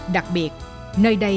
đặc biệt nơi đây